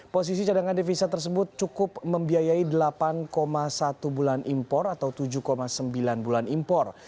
posisi cadangan devisa tersebut cukup membiayai delapan satu bulan impor atau tujuh sembilan bulan impor